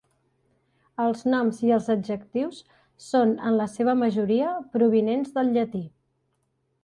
Els noms i els adjectius són en la seva majoria provinents del llatí.